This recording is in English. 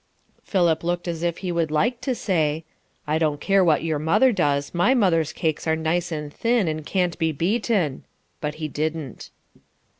Philip looked as if he would like to say: "I don't care what your mother does; my mother's cakes are nice and thin, and can't be beaten;" but he didn't.